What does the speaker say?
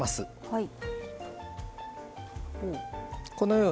はい。